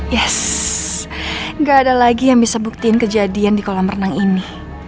yes gak ada lagi yang bisa buktiin kejadian di kolam renang ini